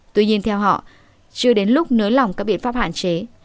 tuy nhiên theo họ chưa đến lúc nới lỏng các biện pháp hạn chế